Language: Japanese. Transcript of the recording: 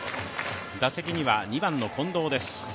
打席には２番の近藤です。